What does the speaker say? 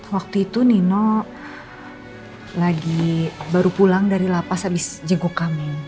waktu itu nino lagi baru pulang dari lapas abis jengkok kamu